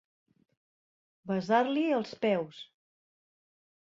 Besar-li els peus.